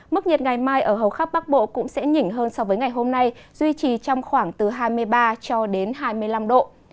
mức nhiệt ngày mai ở hầu khắp bắc bộ cũng sẽ nhỉnh hơn so với ngày hôm nay duy trì trong khoảng từ hai mươi ba cho đến hai mươi năm độ